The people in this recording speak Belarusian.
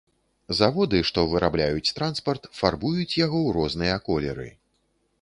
Заводы, што вырабляюць транспарт, фарбуюць яго у розныя колеры.